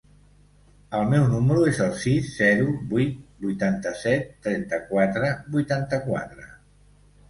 El meu número es el sis, zero, vuit, vuitanta-set, trenta-quatre, vuitanta-quatre.